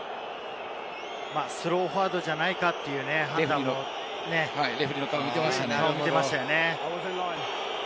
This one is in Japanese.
スローフォワードじゃないか？という、レフェリーの顔を見ていましたね。